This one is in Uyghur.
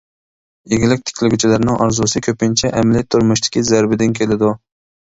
ئىگىلىك تىكلىگۈچىلەرنىڭ ئارزۇسى كۆپىنچە ئەمىلى تۇرمۇشتىكى زەربىدىن كېلىدۇ.